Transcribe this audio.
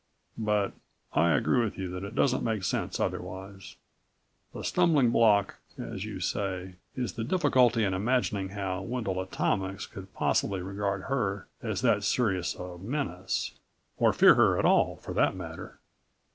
But ... I agree with you that it doesn't make sense otherwise. The stumbling block, as you say, is the difficulty in imagining how Wendel Atomics could possibly regard her as that serious a menace. Or fear her at all, for that matter."